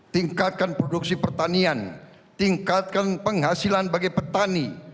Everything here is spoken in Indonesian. tingkatkan produksi pertanian tingkatkan penghasilan bagi petani